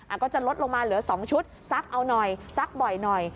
ก็จะลดลงมาเหลือ๒ชุดซักเอาหน่อยซักบ่อยหน่อย